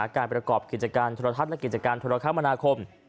การแก้ไขปัญหาการประกอบกิจการตุราญทัศน์และกิจการโทรศัพท์ธรรมนาคม